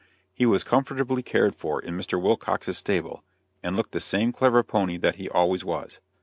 He was comfortably cared for in Mr. Wilcox's stable, and looked the same clever pony that he always was.